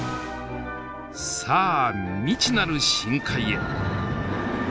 さあ未知なる深海へ。